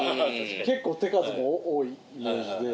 結構手数も多いイメージで。